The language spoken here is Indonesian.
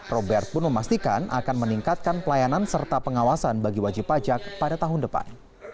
robert pun memastikan akan meningkatkan pelayanan serta pengawasan bagi wajib pajak pada tahun depan